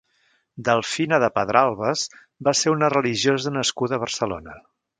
Delfina de Pedralbes va ser una religiosa nascuda a Barcelona.